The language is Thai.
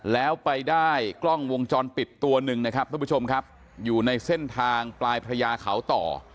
แล้วไปได้กล้องวงจรปิดตัวหนึ่งนะครับท่านผู้ชมครับอยู่ในเส้นทางปลายพระยาเขาต่อ